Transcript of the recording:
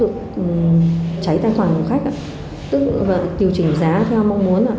họ có thể cháy tài khoản của khách và điều chỉnh giá theo mong muốn